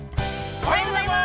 ◆おはようございます！